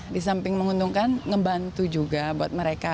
di samping menguntungkan ngebantu juga buat mereka